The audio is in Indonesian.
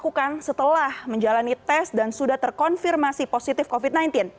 dan yang terakhir adalah menjalani tes dan sudah terkonfirmasi positif covid sembilan belas